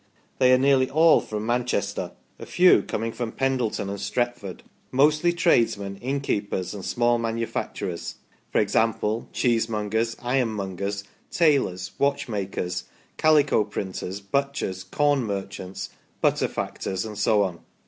They are nearly all from Manchester, a few coming from Pendleton an3 Stretford ; mostly tradesmen, innkeepers^ and small manufacturers, e.g. cheesemongers, ironmongers, tailors, watchmakers, cajico printers, butchers, corn merchants, butter factors, and so on.